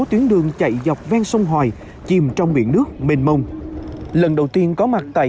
tuyến đường chạy dọc ven sông hoài chìm trong biển nước mênh mông lần đầu tiên có mặt tại